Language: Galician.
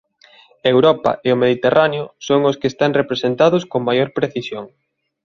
Europa e o Mediterráneo son os que están representados con maior precisión.